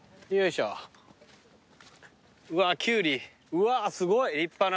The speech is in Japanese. うわすごい立派な。